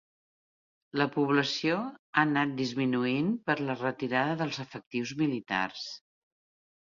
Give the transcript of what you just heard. La població ha anat disminuint per la retirada dels efectius militars.